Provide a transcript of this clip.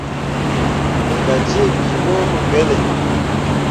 Me gah jii bii mo pu gbelle.